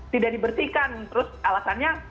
tidak diberikan terus alasannya